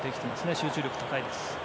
集中力高いです。